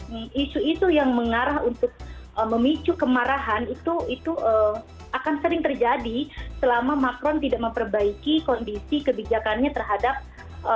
terjadi sensitif artinya isu itu yang mengarah untuk memicu kemarahan itu akan sering terjadi selama macron tidak memperbaiki kondisi kebijakannya terhadap komunitas muslim di sana